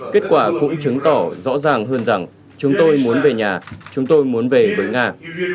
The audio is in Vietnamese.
kết quả cũng chứng tỏ rõ ràng hơn rằng chúng tôi muốn về nhà chúng tôi muốn về với nga